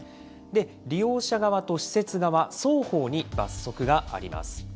利用者側と施設側、双方に罰則があります。